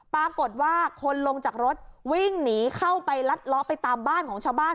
ปรากฏว่าคนลงจากรถวิ่งหนีเข้าไปรัดล้อไปตามบ้านของชาวบ้าน